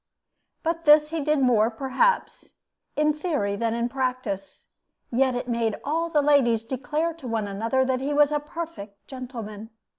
But this he did more, perhaps, in theory than in practice; yet it made all the ladies declare to one another that he was a perfect gentleman.